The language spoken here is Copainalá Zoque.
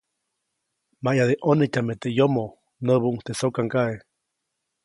‒Maʼyade ʼnonätyame teʼ yomoʼ-, näbuʼuŋ teʼ sokaŋgaʼe.